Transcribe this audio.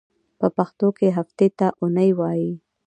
په پښتو کې هفتې ته اونۍ وایی.